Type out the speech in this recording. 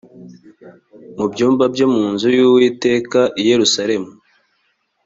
mu byumba byo mu nzu y uwiteka i yerusalemu